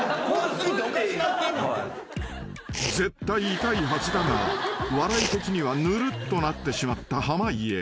［絶対痛いはずだが笑い的にはぬるっとなってしまった濱家］